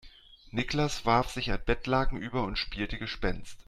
Niklas warf sich ein Bettlaken über und spielte Gespenst.